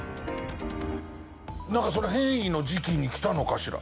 なんかその変異の時期に来たのかしら？